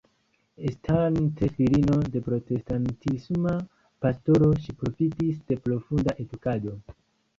Estante filino de protestantisma pastoro ŝi profitis de profunda edukado.